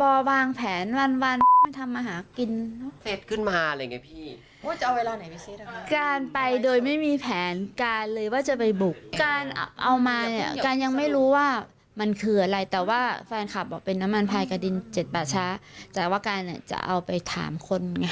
บอกว่าเป็นน้ำมันภายกระดิน๗ป่าช้าแต่ว่าการเนี่ยจะเอาไปถามคน